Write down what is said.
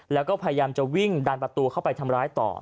แล้วก็พยายามจะวิ่งดันประตูเข้าไปทำร้ายต่อ